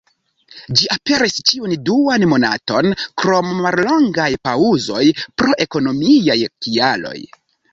Ĝi aperis ĉiun duan monaton, krom mallongaj paŭzoj pro ekonomiaj kialoj.